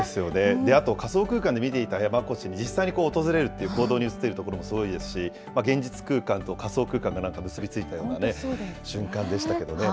あと仮想空間で見ていた山古志に実際に訪れるという行動に移っているところもすごいですし、現実空間と仮想空間と結び付いたような瞬間でしたけどね。